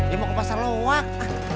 ya mau ke pasar lowak